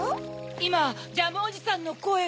いまジャムおじさんのこえが。